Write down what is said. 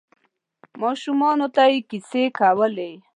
ماشومانو ته یې کیسې کولې.